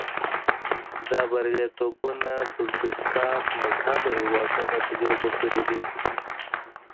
دا بریالیتوبونه پروتستانت مذهبه هېوادونو تجربه کړي دي.